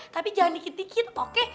tapi jangan dikit dikit oke